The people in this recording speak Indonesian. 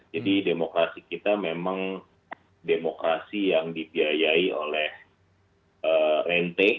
jadi demokrasi kita memang demokrasi yang dibiayai oleh rente